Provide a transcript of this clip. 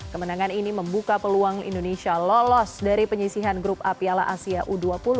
kemenangan ini membuka peluang indonesia lolos dari penyisihan grup a piala asia u dua puluh